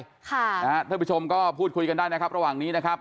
ค่ะนะฮะเพื่อนผู้ชมก็พูดคุยกันได้นะครับระหว่างนี้นะครับ